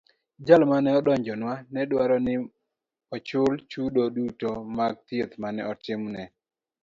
Jal mane odonjonwano ne dwaro ni ochul chudo duto mag thieth mane otimne.